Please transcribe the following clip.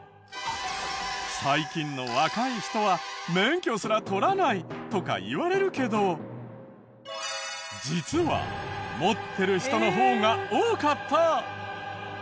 最近の若い人は免許すら取らないとかいわれるけど実は持ってる人の方が多かった。